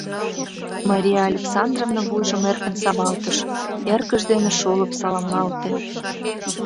Мария Александровна вуйжым эркын савалтыш — эргыж дене шолып саламлалте.